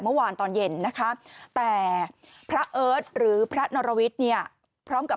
เมื่อวานตอนเย็นนะคะแต่พระเอิร์ทหรือพระนรวิทย์เนี่ยพร้อมกับ